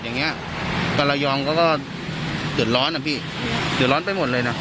แล้วก็ระยองเกิดร้อนอะพี่